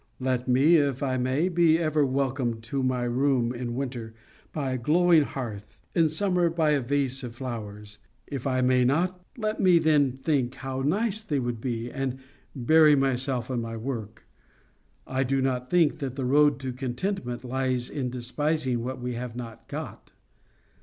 Let me, if I may, be ever welcomed to my room in winter by a glowing hearth, in summer by a vase of flowers; if I may not, let me then think how nice they would be, and bury myself in my work. I do not think that the road to contentment lies in despising what we have not got.